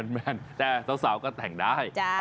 แม่นแต่สาวก็แต่งได้